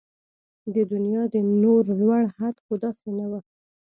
د دنيا د نور لوړ حد خو داسې نه و